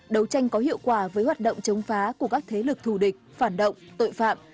đấu tranh có hiệu quả với hoạt động chống phá của các thế lực thù địch phản động tội phạm